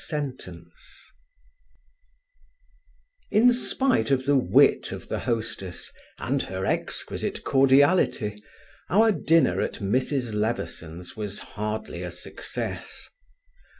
CHAPTER XVI In spite of the wit of the hostess and her exquisite cordiality, our dinner at Mrs. Leverson's was hardly a success.